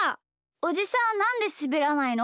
おじさんなんですべらないの？